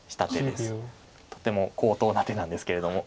とても高等な手なんですけれども。